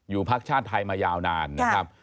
อยู่ภาคชาติไทยมายาวนานนะครับ